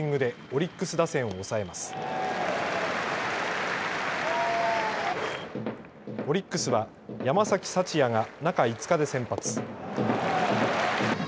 オリックスは山崎福也が中５日で先発。